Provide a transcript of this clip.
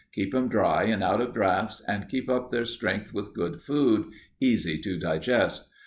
Keep 'em dry and out of draughts and keep up their strength with good food, easy to digest.